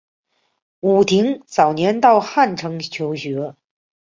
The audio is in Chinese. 武亭早年到汉城求学。